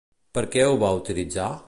Per què ho va utilitzar?